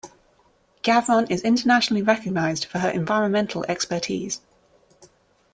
Gavron is internationally recognised for her environmental expertise.